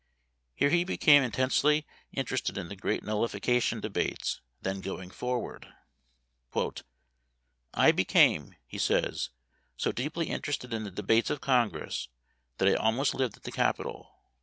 Here he became intensely inter Memoir of Washington Irving. 201 ested in the great Nullification debates then going forward. " I became," he says, " so deeply interested in the debates of Congress that I almost lived at the Capitol.